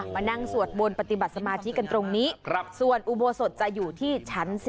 มานั่งสวดมนต์ปฏิบัติสมาธิกันตรงนี้ส่วนอุโบสถจะอยู่ที่ชั้น๔